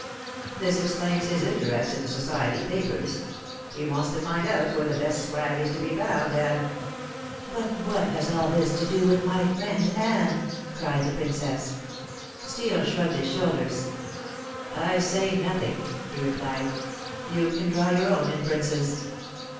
This explains his interest in the Society papers. He wants to find out where the best swag is to be found, and " "But what has all this to do with my friend Anne?" cried the Princess. Steel shrugged his shoulders. "I say nothing," he replied. "You can draw your own inferences."